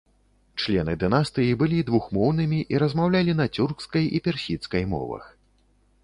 Члены дынастыі былі двухмоўнымі і размаўлялі на цюркскай і персідскай мовах.